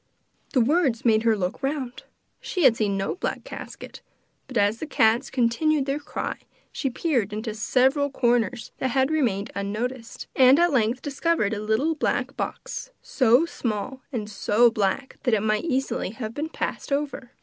The words make her look round she had seen no black casket, but as the cats continued their cry she peered into several corners that had remained unnoticed, and at length discovered a little black box, so small and so black, that it might easily have been passed over.